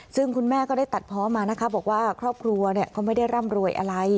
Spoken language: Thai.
ซึ่งคุณแม่ก็ได้ตัดเพาะมานะคะบอกว่าครอบครัวก็ไม่ได้ร่ำรวยอะไร